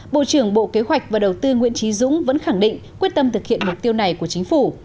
bộ trưởng bộ kế hoạch và đầu tư nguyễn trí dũng vẫn khẳng định quyết tâm thực hiện mục tiêu này của chính phủ